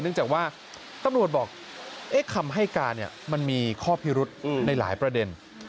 จากว่าตำรวจบอกคำให้การมันมีข้อพิรุธในหลายประเด็น